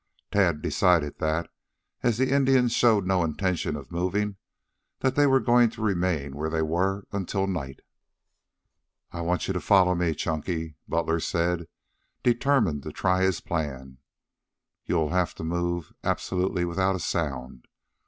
Tad decided that, as the Indians showed no intention of moving, they were going to remain where they were until night. "I want you to follow me, Chunky," Butler said, determined to try his plan. "You will have to move absolutely without a sound.